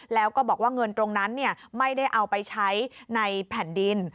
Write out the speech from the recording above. แล้วก็บอกว่าเงินตรงนั้นไม่ได้เอาไปใช้ในแผ่นดิน